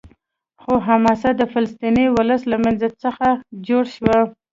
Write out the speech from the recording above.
خو حماس د فلسطیني ولس له منځ څخه جوړ شو.